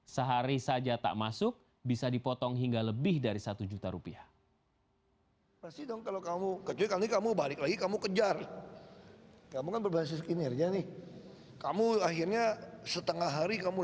sehari saja tak masuk bisa dipotong hingga lebih dari satu juta rupiah